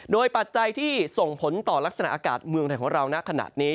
โดยปัจจัยที่ส่งผลต่อลักษณะอากาศเมืองไทยของเราณขณะนี้